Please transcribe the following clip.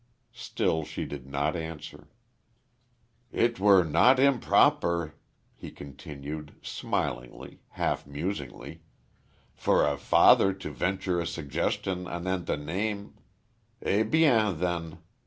Still she did not answer. "It were not improper," he continued, smilingly, half musingly, "for a father to venture a suggestion anent a name.... Eh bien, then.